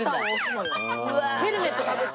ヘルメットかぶって。